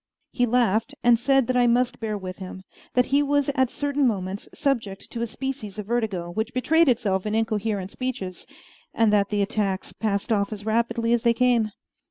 He laughed, and said that I must bear with him; that he was at certain moments subject to a species of vertigo, which betrayed itself in incoherent speeches, and that the attacks passed off as rapidly as they came.